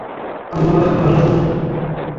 আল্লাহ্ ভালো জানেন।